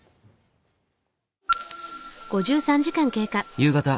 夕方。